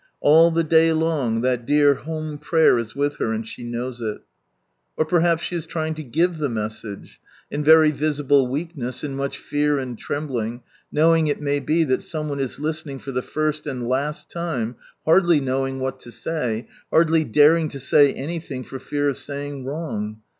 All the day long that dear home prayer is with her, and she knows it. Or perhaps she is trying to give the message. In very visible weakness, in much fear and trembling, knowing it may be that some one is listening for the first and last time, hardly knowing what to say, hardly daring to say anything for fear of saying wrong.